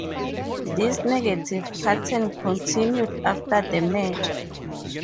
This negative pattern continued after the merger.